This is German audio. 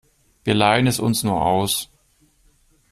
Wir leihen es uns nur aus.